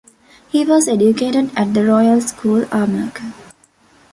He was educated at The Royal School, Armagh.